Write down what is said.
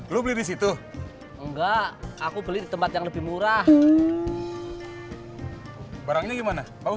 lu beli di situ enggak aku beli tempat yang lebih murah barangnya gimana bagus nggak kawedua